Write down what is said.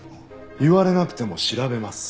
言われなくても調べます。